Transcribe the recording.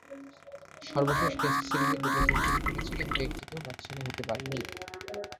সর্বশেষ টেস্ট সিরিজে দুটো সেঞ্চুরি করেছি, কিন্তু একটিতেও ম্যাচসেরা হতে পারিনি।